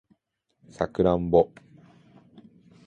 サクランボ